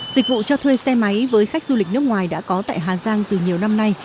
dịch vụ cho thuê xe máy với khách du lịch nước ngoài đã có tại hà giang từ nhiều năm nay